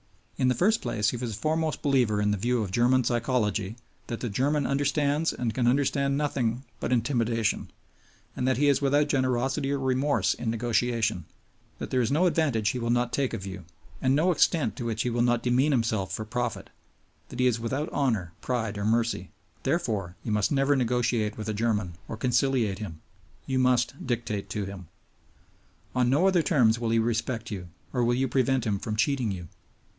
In the first place, he was a foremost believer in the view of German psychology that the German understands and can understand nothing but intimidation, that he is without generosity or remorse in negotiation, that there is no advantage he will not take of you, and no extent to which he will not demean himself for profit, that he is without honor, pride, or mercy. Therefore you must never negotiate with a German or conciliate him; you must dictate to him. On no other terms will he respect you, or will you prevent him from cheating you.